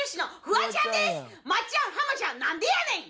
松ちゃん浜ちゃんなんでやねん！